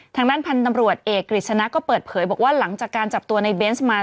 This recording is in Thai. ทางด้านพันธุ์ตำรวจเอกกฤษณะก็เปิดเผยบอกว่าหลังจากการจับตัวในเบนส์มา